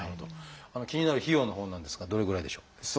気になる費用のほうなんですがどれぐらいでしょう？